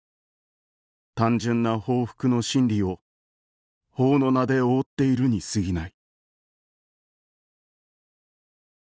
単純な報復の心理を法の名で覆っているに過ぎない」